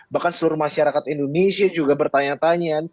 bahkan seluruh masyarakat indonesia juga bertanya tanya